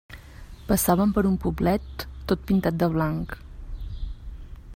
Passaven per un poblet tot pintat de blanc.